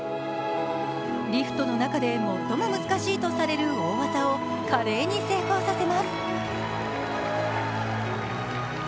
リフトの中で最も難しいとされる大技を華麗に成功させます。